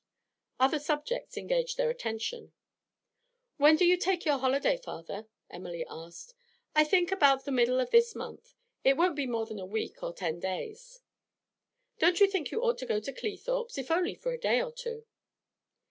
Other subjects engaged their attention. 'When do you take your holiday, father?' Emily asked. 'I think about the middle of this month. It won't be more than a week or ten days.' 'Don't you think you ought to go to Cleethorpes, if only for a day or two?'